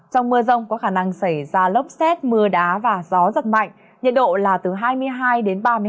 trong mưa rông có khả năng xảy ra lốc xét mưa đá và gió giật mạnh nhiệt độ là từ hai mươi hai đến ba mươi năm độ